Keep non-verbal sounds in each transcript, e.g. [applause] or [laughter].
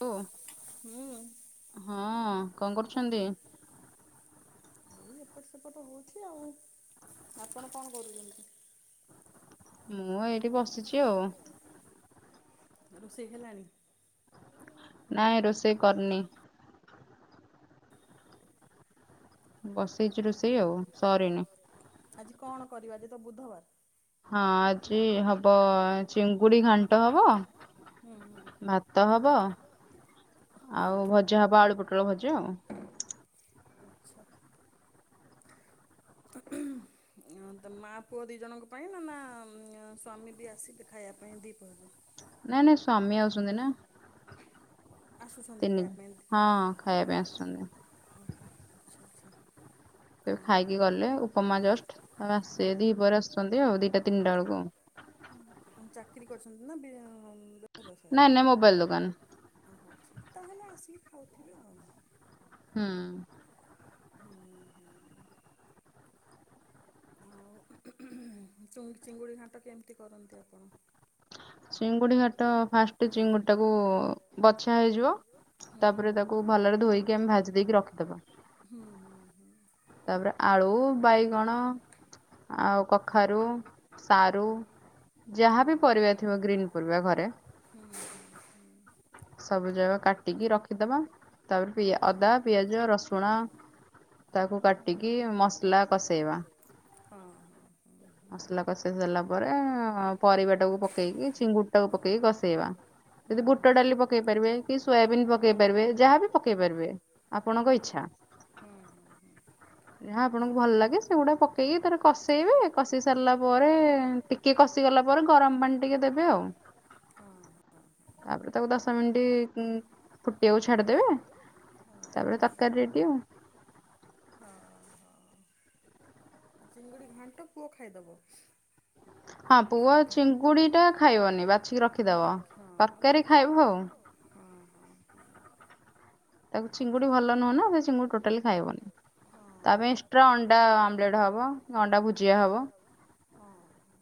Hello ହଁ କଣ କରୁଛନ୍ତି? ଏଇ ଏପଟ ସେପଟ ହଉଛି ଆଉ ଆପଣ କଣ କରୁଚନ୍ତି? ମୁଁ ଏଇଠି ବସି ରୋଷେଇ ହେଲାଣି। ନାଇଁ ରୋଷେଇ କରିନି। ବସେଇଛି ରୋଷେଇ ଆଉ ସରିନି। ଆଜି କଣ କରିବା ଆଜି ତ ବୁଧବାର? ହଁ ଆଜି ହବ ଚିଙ୍ଗୁଡି ଘାଣ୍ଟ ହବ। ଭାତ ହବ। ଆଉ ଭଜା ହବ ଆଳୁ ପୋଟଳ ଭଜା ଆଉ। ଆଚ୍ଛା। ତ ମାଆ ପୁଅ ଦୁଇ ଜଣଙ୍କ ପାଇଁ ନା ନା ସ୍ୱାମୀ ବି ଆସିବେ ଖାଇବା ପାଇଁ ଦ୍ଵୀପହରେ ନାଇଁ ନାଇଁ ସ୍ଵାମୀ ଆଉଚନ୍ତି ନା। ତିନି ହଁ ଖାଇବା ପାଇଁ ଆସୁଛନ୍ତି। ଓ ହୋ ଆଚ୍ଛା ଆଚ୍ଛା। ଖାଇକି ଗଲେ ଉପମା ଜଷ୍ଟ ଆଉ ଆସେ ଦ୍ୱିପହରେ ଆସୁଛନ୍ତି ଆଉ ଦିଟା ତିନିଟା ବେଳକୁ ଆଉ। ହ ଚାକିରରି କରିୁଛନ୍ତି ନା ବି ନାଇଁ ନାଇଁ ମୋବାଇଲ ଦୋକାନ। ଓ ହୋ ତାହେଲେ ଆସିକି ଖାଉଥିବେ ଆଉ। ହୁଁ। ହଁ ହୁଁ। ଆଉ ଚୁ-ଚିଙ୍ଗୁଡ଼ି ଘାଟ କେମିତି କରନ୍ତି ଆପଣ? ଚିଙ୍ଗୁଡ଼ି ଘାଟ ଫାଷ୍ଟ ଚିଙ୍ଗୁଡି ଟାକୁ ବଛା ହୋଇଯିବ। ତାପରେ ତାକୁ ଭଲରେ ଧୋଇକି ଆମେ ଭାଜି ଦେଇକି ରଖିଦବା। ହୁଁ ହୁଁ ହୁଁ। ତାପରେ ଆଳୁ ବାଇଗଣ ଆଉ କଖାରୁ ସାରୁ ଯାହା ବି ପରିବା ଥିବ ଗ୍ରୀନ୍ ପରିବା ଘରେ। ସବୁ ଯାକ କାଟିକି ରଖିଦବା ତାପରେ ପି ଅଦା, ପିଆଜ, ରସୁଣ ତାକୁ କାଟିକି ମସଲା କଷେଇବା। ମସଲା କଷେଇ ସାରିଲା ପରେ ପରିବାଟାକୁ ପକେଇକି ଚିଙ୍ଗୁଡ଼ିଟାକୁ ପକେଇକି କଷେଇବା। ଯଦି ବୁଟ ଡାଲି ପକେଇ ପାରିବେ କି ସୋୟାବିନ୍ ପକେଇ ପାରିବେ ଯାହା ବି ପକେଇ ପାରିବେ ଆପଣକ ଇଚ୍ଛା। ହୁଁ ହୁଁ ହୁଁ। ଯାହା ଆପଣଙ୍କୁ ଭଲ ଲାଗେ ସେଉଡ଼ା ପକେଇକି ତାର କଷ୍ କଷେଇବେ କଷେଇ ସା ହେଲା ପରେ ଟିକେ କଷିଗଲା ପରେ ଗରମ ପାଣି ଟିକେ ଦେବେ ଆଉ। ହଁ ହଁ। ଆ ପରେ ତାକୁ ଦଶ ମିଣ୍ଟି କୁଁ ଫୁଟିିବାକୁ ଛାଡ଼ିଦେବେ। ତାପରେ ତରକାରୀ ରେଡ଼ି ଆଉ। ହଁ ହଁ। ଚିଙ୍ଗୁଡ଼ି ଘାଣ୍ଟ ପୁଅ ଖାଇଦବ। ହଁ ପୁଅ ଚିଙ୍ଗୁଡ଼ିଟା ଖାଇବନି ବାଛିଦବ ତରକାରୀ ଖାଇବୁ ଆଉ। ହଁ ହଁ ହଁ। ତାକୁ ଚିଙ୍ଗୁଡ଼ି ଭଲ ନୁହଁ ନା ସେ ଚିଙ୍ଗୁଡ଼ି ଟୋଟାଲି ଖାଇବନି। ତା ପାଇଁ ଏକ୍ସଟ୍ରା ଅଣ୍ଡା ଆମଲେଟ୍ ହବ ଅଣ୍ଡା ଭୁଜିଆ ହବ। ହଁ ହଁ।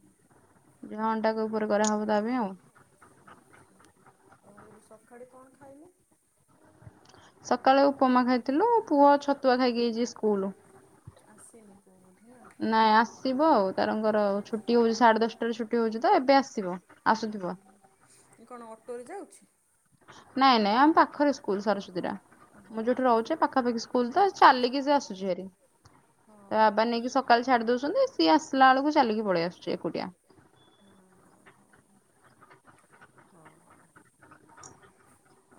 ଯାହା ଅଣ୍ଡାକୁ ଉପରେ କରାହବ ତା ପାଇଁ ଆଉ। ଆଚ୍ଛା ଆଉ ଏବେ ସଖାଳେ କଣ ଖାଇଲେ? ସକାଳୁ ଉପମା ଖାଇଥିଲୁ ପୁଅ ଛତୁଆ ଖାଇକି ଆଇଚି ସ୍କୁଲ୍। ନାଁ ଆସିବ ଆଉ ତାରଙ୍କର ଛୁଟି ହୋଉଚି ସାଢ଼େ ଦଶଟାରେ ଛୁଟି ହୋଉଚି ତ ଏବେ ଆସ୍ ସିବ ଆସୁଥୁବ। ଉଁ କଣ ଅଟୋରେ ଯାଉଛି? ନାଇଁ ନାଇଁ ଆମ ପାଖରେ ସ୍କୁଲ୍ ସରସ୍ୱତୀଟା। ମୁଁ ଯୋଉଠି ରହୁଚି ପାଖାପାଖି ସ୍କୁଲ୍ ତ ଚାଲିକି ସେ ଆସୁଚି ଭାରି। ତା ବାବା ନେଇକି ସକାଳ ଛାଡ଼ି ଦୋଉଛନ୍ତି ସିଏ ଆସିଲା ଅଳୁକୁ ଚାଲିକି ପଳେଇ ଆସୁଚି ଏକୁଟିଆ। ଅଁ ହ ହୋ। ହଁ।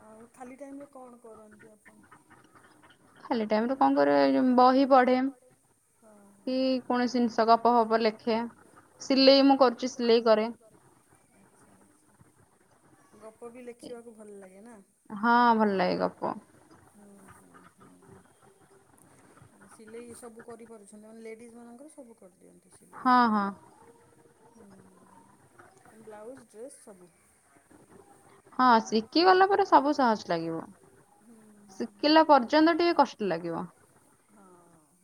ଆଉ ଖାଲି ଟାଇମ୍ ରେ କଣ କରନ୍ତି ଆପଣ? ଖାଲି ଟାଇମ୍ ରେ କଣ କରିବ ଏଇ ଯୋଉ ବହି ପଢ଼େ କି କୌଣସି ଜିନିଷ ଗପ ଫପ ଲେଖେ। କେ ସିଲେଇ ମୁଁ କରୁଚି ସିଲେଇ କରେ। ଗପ ବି ଲେଖିବାକୁ ଭଲ ଲାଗେ ନାଁ? ହଁ ଭଲ ଲାଗେ ଗପ। ଅଁ ସିଲେଇ ସବୁ କରିପାରୁଛନ୍ତି ମାନେ ଲେଡ଼ିଜ୍ ମାନଙ୍କର ସବୁ କରିଦିଅ। ସିଲେଇ ବୋଧେ ବ୍ଲାଉଜ୍ ଡ୍ରେସ୍ ସବୁ। ହଁ ଶିକିଗଲା ପରେ ସବୁ ସହଜ ଲାଗିବ। ଶିକିଲା ପର୍ଯ୍ୟନ୍ତ ଟିକେ କଷ୍ଟ ଲାଗିବ। ହଁ।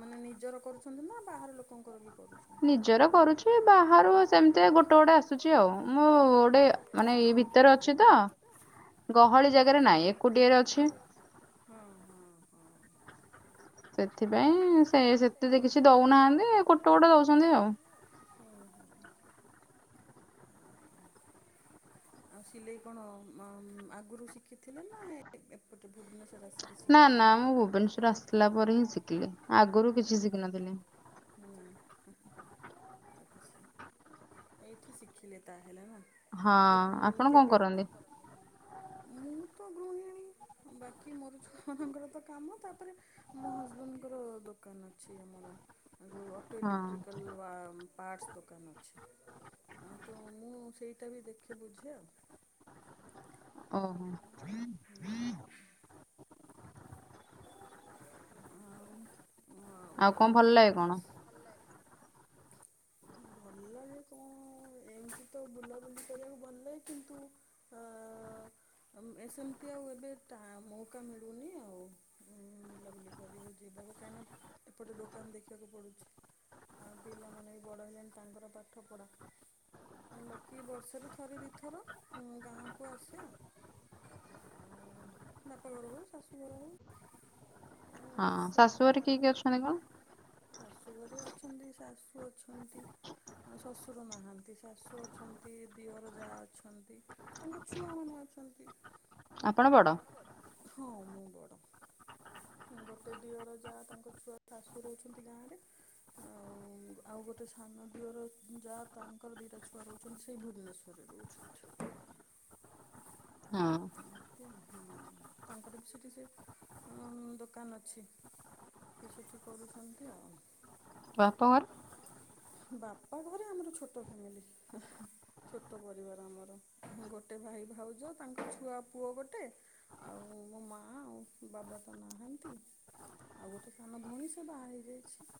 ମାନେ ନିଜର କରୁଛନ୍ତି ନାଁ ବାହାର ଲୋକଙ୍କର ବି କରୁ ନିଜର କରୁଛି ବାହାରୁ ସେମତି ଗୋଟେ ଗୋଟେ ଆସୁଚି ଆଉ ମୁଁ ଓଟେ ମାନେ ଏ ଭିତରେ ଅ ଛି ତ ଗହଳି ଜାଗାରେ ନାଇଁ ଏକୁଟିଆରେ ଅଛି। ହଁ ହଁ ହଁ। ସେଥିପାଇଁ ସେ ସେତେ ଦେ କିଛି ଦଉନାହାନ୍ତି କୋଟେ ଗୋଟେ ଦଉଛନ୍ତି ଆଉ। ହୁଁ ହୁଁ। ଆଉ ସିଲେଇ କଣ ମ ଆଗୁରୁ ଶିଖିଥିଲେ ନା ଏ ଏପଟେ ଭୁବନେଶ୍ୱର ଆସିି ନାଁ ନାଁ ମୁଁ ଭୁବନେଶୋର ଆସିଲା ପରେ ହିଁ ଶିକିଲି ଆଗୁରୁ କିଛି ଶିକିନଥିଲି। ନାଁ ହାଁ ହାଁ। ଏଇଠି ଶିଖିଲେ ତା ହେଲେ ନା ହଁ ଆପଣ କଣ କରନ୍ତି? ମୁଁ ତ ଗୃହିଣୀ ବାକି ମୋର ଛୁଆମାନଙ୍କର ତ କାମ ତାପରେ ମୋ ହଜବେଣ୍ଡଙ୍କର ଦୋକାନ ଅଛି ଆମର ଯୋଉ ଅଟୋ ଇଲେକ୍ଟ୍ରିକାଲ ୱା ପାର୍ଟସ୍ ଦୋକାନ ଅଛି ଆ ତ ମୁଁ ସେଇଟା ବି ଦେଖେ ବୁଝେ ଆଉ ଓହୋ। ହୁଁ। ଆ କଣ ପି ଭଲ ଲାଗେ କଣ ଏମିତି ତ ବୁଲାବୁଲି କରିବାକୁ ଭଲ ଲାଗେ କିନ୍ତୁ ହ ସେମିତି ଆଉ ଏବେ ଟା ମଉକା ମିଳୁନି ଆଉ। ଉଁ ବୁଲାବୁଲି କର ଯିବା ଆଉ କାହିଁକି ନା ଏପଟେ ଦୋକାନ ଦେଖିବାକୁ ପଡୁଛି। ଆଉ ପିଲାମାନେ ବି ବଡ଼ ହେଲେଣି ତାଙ୍କର ପାଠ ପଢ଼ା। ବାକି ବର୍ଷରେ ଥରେ ଦୁଇଥର ଗାଁକୁ ଆସେ ଆଉ। ମାତା ଘର ହଉ ଶାଶୁ ଘର ହଉ। ହଁ ଶାଶୁଆରେ କି କି ଅଛନ୍ତି କଣ। ଶାଶୁ ଘରେ ଅଛନ୍ତି ଶାଶୁ ଅଛନ୍ତି। ଶଶୁର ନାହାନ୍ତି ଶାଶୁ ଅଛନ୍ତି ଦିଅର ଯା ଅଛନ୍ତି। ତାଙ୍କ ଛୁଆମାନେ ଅଛନ୍ତି। ଆପଣ ବଡ ହଁ ମୁଁ ବଡ। ଗୋଟେ ଦିଅର ଯାହା ତାଙ୍କ ଛୁଆ ଶାଶୁ ରହୁଛନ୍ତି ଗାଁରେ ଆଉ ଆଉ ଗୋଟେ ସାନ ଦଅର ଯାହା ତାଙ୍କର ଦିଇଟା ଛୁଆ ରହୁଛନ୍ତି ସେଇ ଭୁବନେଶ୍ୱରରେ ରହୁଛନ୍ତି। ଏମିତି ହଁ ତାଙ୍କର ବି ସେଠି ସେ ଅ ଦୋକାନ ଅଛି ତ ସେଠି କରୁଛନ୍ତି ଆଉ। ବାପାଙ୍କର। ବାପ ଘରେ ଆମର ଛୋଟ ଫ୍ୟାମିଲି। ଛୋଟ ପରିବାର ଆମର ଗୋଟେ ଭାଇ ଭାଉଜ ତାଙ୍କ ଛୁଆ ପୁଅ ଗୋଟେ ଆଉ ମୋ ମା ଆଉ ବାବା ତ ନାହାନ୍ତି ଆଉ ଗୋଟେ ସାନ ଭଉଣୀ ସେ ବାହା ହେଇଯାଇଛି।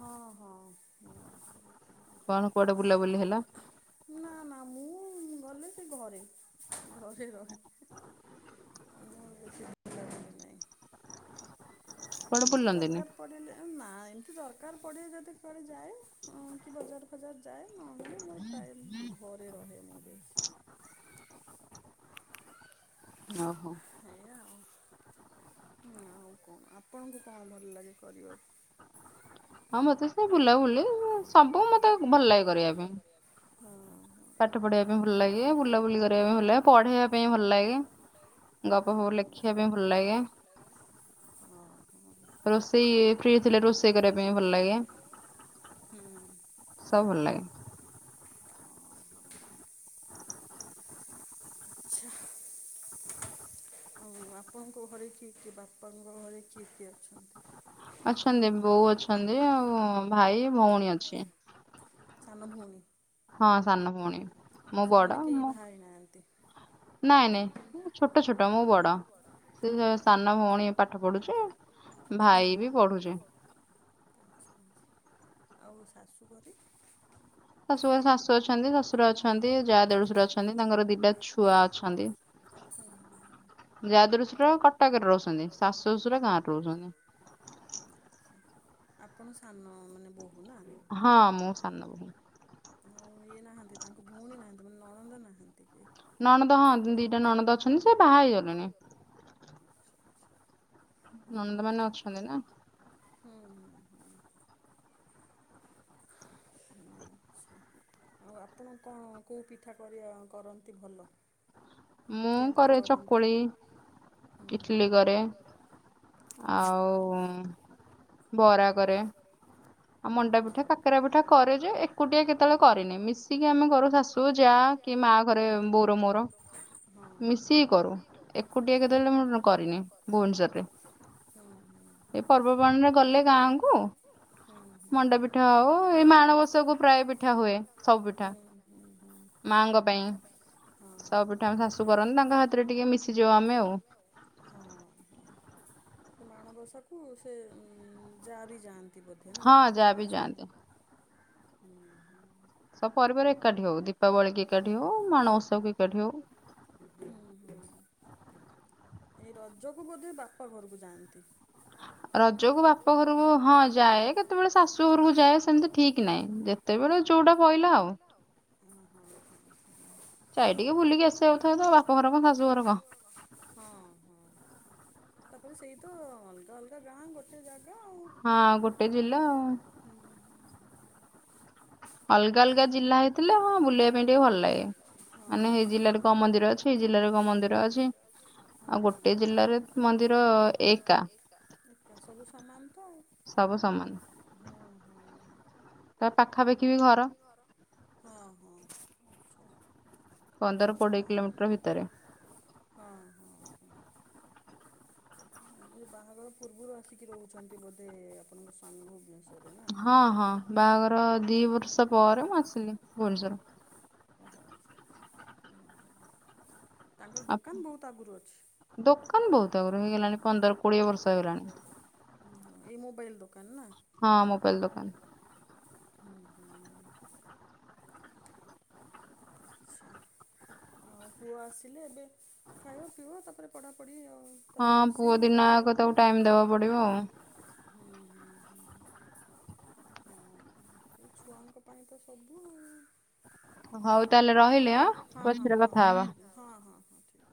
ହଁ ହଁ ହ ଆ ଟାଉନ ସହରେ ବୁଲାବୁଲି କର। ନା ନା ମୁଁ ଗଲେ ସେ ଘରେ ଘରେ ରହେ। ଆ ମର। [unintelligible] ଏମତି ଦରକାର୍ ପଡ଼ିଲେ ଏ ନା ଏମିତି ଦରକାର ପଡ଼େ ଯଦି କୁଆଡ଼େ ଯାଏ ହଁ କି ବଜାର ଫଜାର ଯାଏ ନହେଲେ ନାହିଁ ମୋର ଟାଇମ୍ ଘରେ ରହେ ମୁ ବେଶି। ଓ ହ। ସେୟା ଆଉ, ଆଉ କଣ ଆପଣଙ୍କୁ କଣ ଭଲ ଲାଗେ କରିବା କୁ? ହଁ ମତେ ସେ ବୁଲାବୁଲି ସବୁ ମତେ ଭଲ ଲାଗେ କରିବା ପାଇଁ। ପାଠ ପଢିବା ପାଇଁ ଭଲ ଲାଗେ ବୁଲାବୁଲି କରିବା ପାଇଁ ଭଲ ଲାଗେ ପଢେଇବା ପାଇଁ ଭଲ ଲାଗେ। ଗପ ଫବ ଲେଖିବା ପାଇଁ ଭଲ ଲାଗେ ଓହ ରୋଷେଇ ସେ ଥିଲେ ରୋଷେଇ କରିବା ପାଇଁ ଭଲ ଲାଗେ। ହୁଁ। ସବୁ ଭଲ ଲାଗେ। ଆଚ୍ଛା। ଆଉ ଆପଣଙ୍କ ଘରେ କିଏ କିଏ ବାପାଙ୍କ ଘରେ କିଏ କିଏ ଅଛନ୍ତି? ଅଛନ୍ତି ବୋଉ ଅଛନ୍ତି ଆଉ ଭାଇ ଭଉଣୀ ଅଛି। ସାନ ଭଉଣୀ? ହଁ ସାନ ଭଉଣୀ ମୁଁ ବଡ ମୁଁ ନାଇଁ ନାଇଁ ଛୋଟ ଛୋଟ ମୁ ବଡ ସେ ସାନ ଭଉଣୀ ପାଠ ପଢୁଛି ଭାଇ ବି ପଢୁଛି ଆଛା ଆଛା ଆଉ ଶାଶୁଘରେ? ଶଶୁ ଘ ଶାଶୁ ଅଛନ୍ତି ଶ୍ୱଶୁର ଅଛନ୍ତି ଯା ଦେଢଶୁର ଅଛନ୍ତି ତାଙ୍କର ଦିଟା ଛୁଆ ଅଛନ୍ତି ହୁଁ ହୁଁ ହୁଁ ଯା ଦେଢୁସୁର କଟକରେ ରହୁଛନ୍ତି ଶାଶୁ ଶଶୁର ଗାଁରେ ରହୁଛନ୍ତି ଆପଣ ସାନ ମାନେ ବୋହୁ ନା ହଁ ମୁଁ ସାନ ବୋହୁ ଆଉ ଇଏ ନାହାନ୍ତି ତାଙ୍କ ଭଉଣୀ ନାହାଁନ୍ତି ମାନେ ନଣନ୍ଦ ନାହାନ୍ତି କେହି? ନଣଦ ହଁ ଦିଟା ନଣନ୍ଦ ଅଛନ୍ତି ସେ ବାହା ହେଇଗଲେଣି ନଣନ୍ଦ ମାନେ ଅଛନ୍ତି ନା ହୁଁ ହୁଁ ହୁଁ ଆଚ୍ଛା ଆଉ ଆପଣଙ୍କୁ କଣ କୋଉ ପିଠା କରିବା କରନ୍ତି ଭଲ? କେମିତି କରନ୍ତି? ଆଉ ବରା କରେ ମଣ୍ଡା ପିଠା କାକେରା ପିଠା କରେ ଯେ ଏକୁଟିଆ କେତେବେଳେ କରେନି ମିଶିକି ଆମେ କରୁ ଶାଶ ଶାଶୁ ଯା କି ମା ଘରେ ବୋଉର ମୋର ମିଶିକି କରୁ ଏକୁଟିଆ କେତେବେଳେ ମୁଁ କରିନି ଭୁବନେଶ୍ଵରରେ ପର୍ବ ପାଣିରେ ଗଲେ ଗାଁକୁ ହୁଁ ମଣ୍ଡାପିଠା ହଉ ଏ ମାଣବସା କୁ ପ୍ରାୟ ପିଠା ହୁଏ। ମାଙ୍କ ପାଇଁ ଶବୁ ତ ଆମ ଶାଶୁ କରନ୍ତି ତାଙ୍କ ହାତରେ ଟିକେ ମିଶିଯିବ ଆମେ ଆଉ। ହଁ, ହଁ ସେ ମାଣବସାକୁ ସେ ଯା ବି ଯାଆନ୍ତି। ହଁ ଯା ବିି ଯାଆନ୍ତି। ହୁଁ। ସ ପରିବାର ଏକାଠି ହଉ ଦୀପାବଳି କି ଏକାଠି ହଉ ମାଣଓସା କୁ ଏକାଠି ହଉ। ହୁଁ, ହୁଁ ଏଇ ରଜକୁ ବୋଧେ ବାପ ଘରକୁ ଯାଆନ୍ତି। ହ। ରଜ କୁ ବାପ ଘରକୁ ହଁ ଯାଏ କେତେବେଳେ ଶାଶୁ ଘରକୁ ଯାଏ ସେମିତି ଠିକ ନାହିଁ। ଯେତେବେଳେ ଯଉଟା ପଇଲା ଆଉ। ଅ ହଁ, ହଁ, ହଁ। ବୁଲିକି [unintelligible] ବାପ ଘର କଣ ଶାଶୁ ଘର କଣ। ହଁ, ହଁ ତାପରେ ସେଇ ତ ଅଲଗା ଅଲଗା ଗାଁ ଗୋଟେ ଜାଗା ଆଉ। ହଁ ଗୋଟେ ଜିଲା ଆଉ। ହୁଁ। ଅଲଗା ଅଲଗା ଜିଲ୍ଲା ହେଇଥିଲେ ହଁ ବୁଲିବା ପାଇଁ ଟିକେ ଭଲ ଲାଗିବ। ମନ୍ଦିର ଅଛି ଏଇ ଜିଲ୍ଲା ରେ ମନ୍ଦିର ଅଛି ଆଉ ଗୋଟେ ଜିଲ୍ଲାରେ ମନ୍ଦିର ଏକା ସବୁ ସମାନ ତ ଆଉ। ସବୁ ସମା ହଁ, ହଁ। ତା ପାଖାପାଖି ବି ଘର। ହଁ, ହଁ ଆଛା। ପନ୍ଦର କୋଡ଼ିଏ କିଲୋମିଟର ଭିତରେ। ହଁ, ହଁ। ବାହାଘର ପୂର୍ବରୁ ଆସିକି ରହୁଛନ୍ତି ବୋଧେ ଆପଣଙ୍କ ସ୍ୱାମୀ ଭୁବନେଶ୍ ହଁ, ହଁ ବାହାଘର ଦି ବର୍ଷ ପରେ ମୁଁ ଆସିଲି ଭୁଵନେଶ୍ୱର। ଓହୋ ଆଚ୍ଛା, ଆଛା ହୁଁ, ହୁଁ ତାଙ୍କର ଦୋକାନ ବହୁତ ଆଗରୁ ଅଛି। ଦୋକାନ ବହୁତୁ ଆଗରୁ ହେଇଗଲାଣି ପନ୍ଦର କୋଡିଏ ବର୍ଷ ହେଇଗଲାଣି। ଓହୋ ଏଇ ମୋବାଇଲ ଦୋକାନ ନା। ହଁ ମୋବାଇଲ୍ ଦୋକାନ। ହୁଁ, ହୁଁ। ଆଚ୍ଛା। ଆଉ ପୁଅ ଆସିଲେ ଏବେ ଖାଇବ ପିଇବ ତାପରେ ପଢ଼ାପଢ଼ି ଆଉ। ତାକୁ ରୋଷେଇ ସବୁ ହବ। ହୁଁ, ହୁଁ, ହୁଁ। ହଁ ହେଇ ଛୁଆଙ୍କ ପାଣି ତ ସବୁ ଆଉ। ହଉ ତାହେଲେ ରହିଲି ହଁ ପଛରେ କଥା ହବା। ହଁ, ହଁ, ହଁ ଠିକ୍